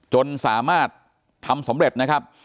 จนสามารถทำสำเร็จนะครับ